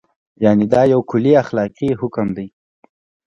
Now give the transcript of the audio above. یعنې دا یو کلی اخلاقي حکم دی.